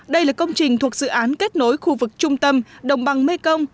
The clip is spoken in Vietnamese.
đây là công trình thuộc dự án kết nối khu vực trung tâm đồng bằng mê công